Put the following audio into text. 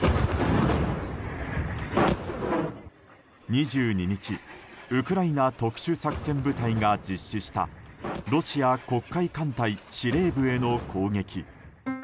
２２日ウクライナ特殊作戦部隊が実施したロシア黒海艦隊司令部への攻撃。